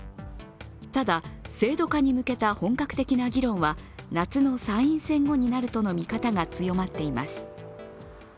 ただ、制度化に向けた本格的な議論は夏の参院選後になるとの見方が強まっています。